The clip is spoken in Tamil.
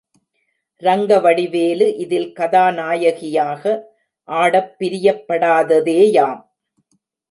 ரங்கவடிவேலு இதில் கதாநாயகியாக ஆடப் பிரியப்படாத தேயாம்.